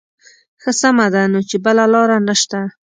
ښه سمه ده نو چې بله لاره نه شته.